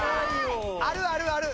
あるあるある！